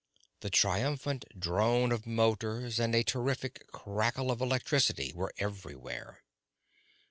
The triumphant drone of motors and a terrific crackle of electricity were everywhere.